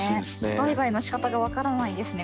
バイバイのしかたが分からないですね